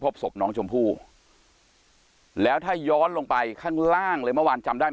พบศพน้องชมพู่แล้วถ้าย้อนลงไปข้างล่างเลยเมื่อวานจำได้ไหม